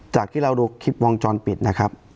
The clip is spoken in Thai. จากที่เราดูคลิปวงจรปิดนะครับ